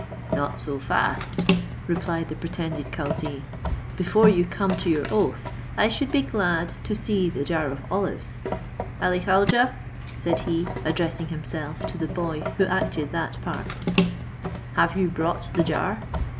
"Not so fast," replied the pretended cauzee; "before you come to your oath, I should be glad to see the jar of olives. Ali Khaujeh," said he, addressing himself to the boy who acted that part, "have you brought the jar?"